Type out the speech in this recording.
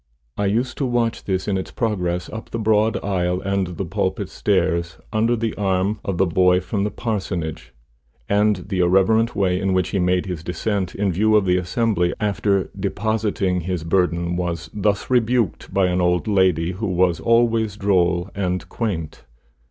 I used to watch this in its progress up the broad aisle and the pulpit stairs, under the arm of the boy from the parsonage, and the irreverent way in which he made his descent, in view of the assembly, after depositing his burden, was thus rebuked by an old lady who was always droll and quaint.